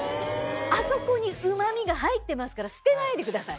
あそこにうま味が入ってますから捨てないでください。